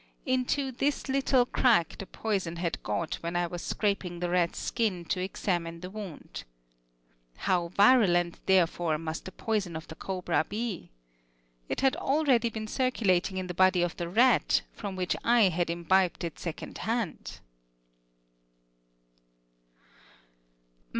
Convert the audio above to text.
Into this little crack the poison had got when I was scraping the rat's skin to examine the wound. How virulent, therefore, must the poison of the cobra be! It had already been circulated in the body of the rat, from which I had imbibed it second hand!